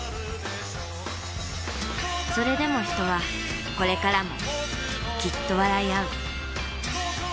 それでも人はこれからもきっと笑いあう。